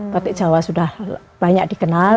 batik jawa sudah banyak dikenal